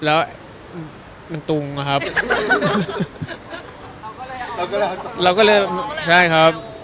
แล้วมันตุ่งนะครับ